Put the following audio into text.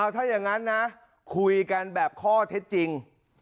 ถ้าอย่างนั้นนะคุยกันแบบข้อเท็จจริง